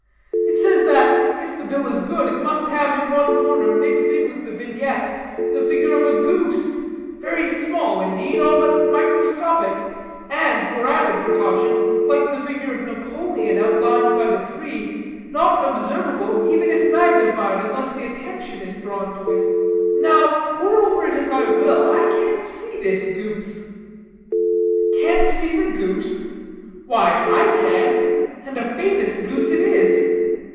It says that, if the bill is good, it must have in one corner, mixed in with the vignette, the figure of a goose, very small, indeed, all but microscopic; and, for added precaution, like the figure of Napoleon outlined by the tree, not observable, even if magnified, unless the attention is directed to it. Now, pore over it as I will, I can't see this goose." "Can't see the goose? why, I can; and a famous goose it is.